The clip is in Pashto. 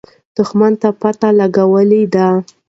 دښمن پته لګولې ده.